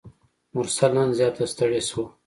مرسل نن زیاته ستړي شوه.